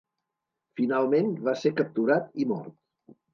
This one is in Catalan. Finalment va ser capturat i mort.